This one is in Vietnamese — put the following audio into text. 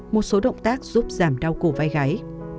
một số động tác giúp giảm đau cổ vai gáy